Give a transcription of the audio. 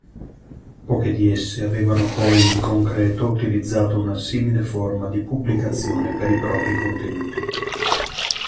Poche di esse avevano poi in concreto utilizzato una simile forma di pubblicazione per i propri contenuti.